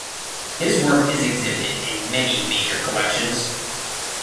His work is exhibited in many major collections.